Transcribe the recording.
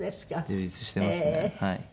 充実してますねはい。